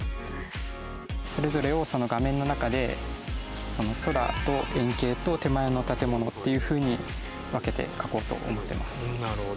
それぞれをその画面の中で空と遠景と手前の建物っていうふうに分けて描こうと思ってます。